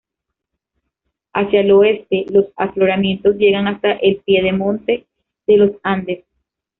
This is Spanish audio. Hacia el oeste, los afloramientos llegan hasta el piedemonte de los Andes.